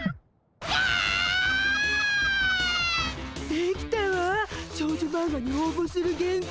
出来たわ少女マンガに応募する原稿。